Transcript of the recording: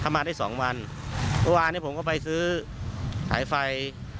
เข้ามาได้สองวันฯพิวาร์เราไปซื้อหายไฟ